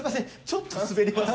ちょっと滑ります。